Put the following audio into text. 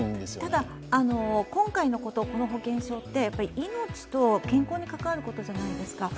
ただ今回のこと、この保険証って命と健康に関わることじゃないですか。